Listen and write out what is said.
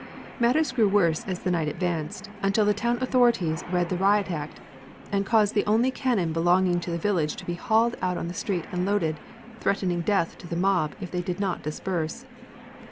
Matters grew worse as the night advanced, until the town authorities read the Riot Act, and caused the only cannon belonging to the village to be hauled out on the street and loaded, threatening death to the mob if they did not disperse.